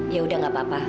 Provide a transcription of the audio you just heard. yaudah nggak apa apa